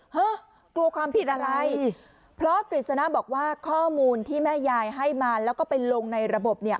กลัวความผิดอะไรเพราะกฤษณะบอกว่าข้อมูลที่แม่ยายให้มาแล้วก็ไปลงในระบบเนี่ย